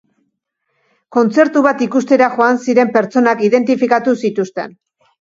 Kontzertu bat ikustera joan ziren pertsonak identifikatu zituzten.